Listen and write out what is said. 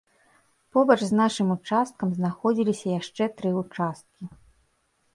Побач з нашым участкам знаходзіліся яшчэ тры ўчасткі.